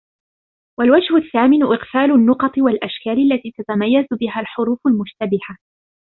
وَالْوَجْهُ الثَّامِنُ إغْفَالُ النُّقَطِ وَالْأَشْكَالِ الَّتِي تَتَمَيَّزُ بِهَا الْحُرُوفُ الْمُشْتَبِهَةُ